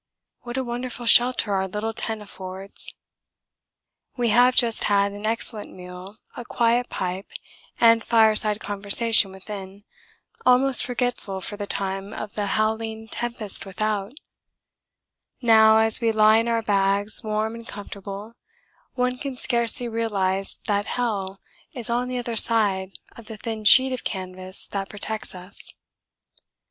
What a wonderful shelter our little tent affords! We have just had an excellent meal, a quiet pipe, and fireside conversation within, almost forgetful for the time of the howling tempest without; now, as we lie in our bags warm and comfortable, one can scarcely realise that 'hell' is on the other side of the thin sheet of canvas that protects us.